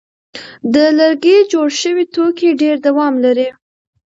د لرګي جوړ شوي توکي ډېر دوام لري.